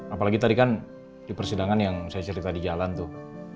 apalagi tadi kan di persidangan yang saya cerita di jalan tuh